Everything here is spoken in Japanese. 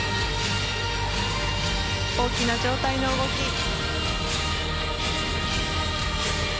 大きな上体の動き。